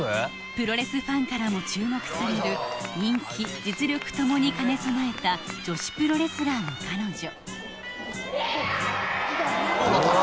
プロレスファンからも注目される人気実力共に兼ね備えた女子プロレスラーの彼女やぁっ！